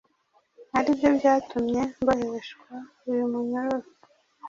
ari byo byatumye mboheshwa uyu munyururu.”